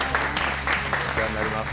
お世話になります。